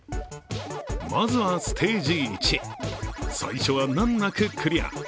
まずは、ステージ１。最初は難なくクリア。